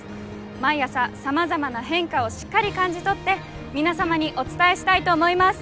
毎朝さまざまな変化をしっかり感じ取って皆様にお伝えしたいと思います。